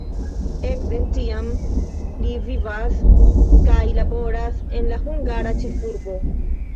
Ekde tiam li vivas kaj laboras en la hungara ĉefurbo.